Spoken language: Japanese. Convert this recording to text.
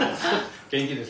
元気です。